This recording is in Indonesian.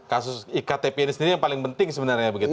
kasus iktp ini sendiri yang paling penting sebenarnya begitu